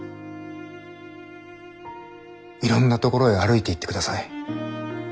いろんなところへ歩いていってください。